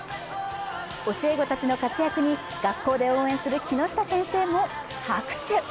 教え子たちの活躍に学校で応援する木下先生も拍手。